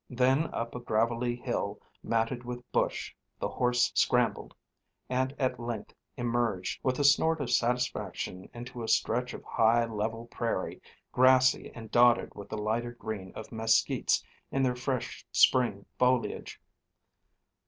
Then up a gravelly hill, matted with bush, the horse scrambled, and at length emerged, with a snort of satisfaction into a stretch of high, level prairie, grassy and dotted with the lighter green of mesquites in their fresh spring foliage.